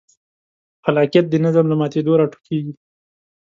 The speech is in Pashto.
خلاقیت د نظم له ماتېدو راټوکېږي.